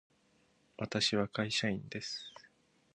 私は会社員です。